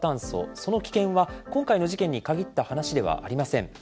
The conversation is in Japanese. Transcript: その危険は、今回の事件に限った話ではありません。